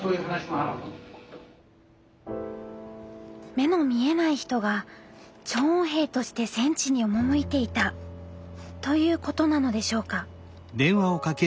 目の見えない人が聴音兵として戦地に赴いていたということなのでしょうか。